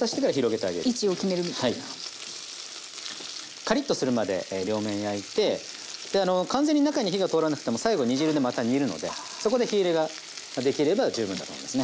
カリッとするまで両面焼いてであの完全に火が通らなくても最後煮汁でまた煮るのでそこで火入れができれば十分だと思いますね。